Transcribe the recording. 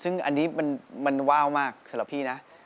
ซึ่งอันนี้มันว้าวมากสำหรับพี่นะ